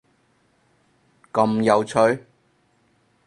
咁有趣？！